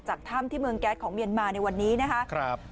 ถ้ำที่เมืองแก๊สของเมียนมาในวันนี้นะครับ